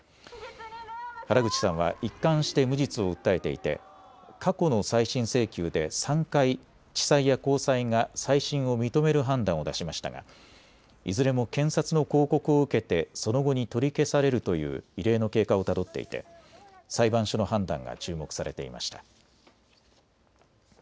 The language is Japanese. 原口さんは一貫して無実を訴えていて過去の再審請求で３回地裁や高裁が再審を認める判断を出しましたがいずれも検察の抗告を受けてその後に取り消されるという異例の経過をたどっていて裁判所の判断が注目されていました。